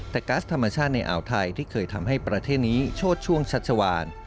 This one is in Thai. แต่ก๊าซธรรมชาติในอ่าวไทยที่เคยทำให้ประเทศนี้โชดช่วงชัชวาน